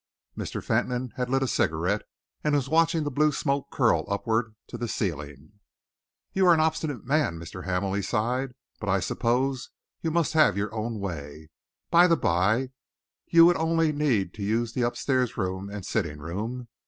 Mr. Fentolin had lit a cigarette and was watching the blue smoke curl upwards to the ceiling. "You're an obstinate man, Mr. Hamel," he sighed, "but I suppose you must have your own way. By the by, you would only need to use the up stairs room and the sitting room.